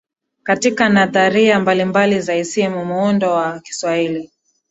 katika nadharia mbalimbali za isimu muundo wa Kiswahili